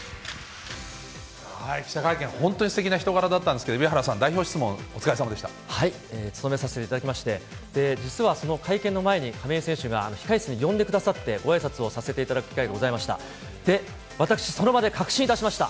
記者会見、本当にすてきな人柄だったんですけれども、蛯原さん、代表質問お務めさせていただきまして、実はその会見の前に亀井選手が控え室に呼んでくださって、ごあいさつをさせていただく機会がございました。